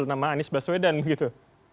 terutama anies baswedan gitu